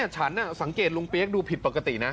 ฉันสังเกตลุงเปี๊ยกดูผิดปกตินะ